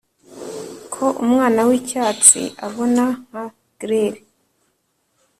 ko umwana wicyatsi abona nka grail